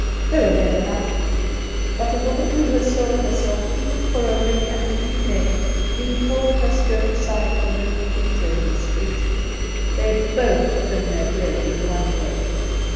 There are men enough; but a woman who has sold herself, even for a ring and a new name, need hold her skirt aside for no creature in the street. They both earn their bread in one way.